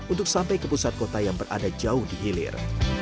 untuk sampai ke pusat kota yang berada jauh di hilir